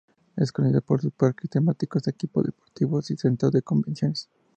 Es conocida por sus parques temáticos, equipos deportivos, y centros de convenciones.